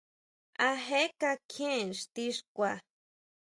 ¿A je kakjien ixti xkua.